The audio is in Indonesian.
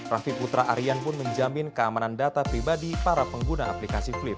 raffi putra aryan pun menjamin keamanan data pribadi para pengguna aplikasi klip